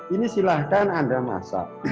ini silahkan anda masak